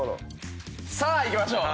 さぁ行きましょう！